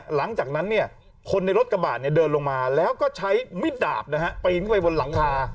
หลังจากนั้นคนในรถกระบาดเดินลงมาแล้วก็ใช้มิดดาบปีนขึ้นไปบนหลังคา